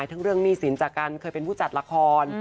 ทั้งเรื่องหนี้สินจากการเคยเป็นผู้จัดละคร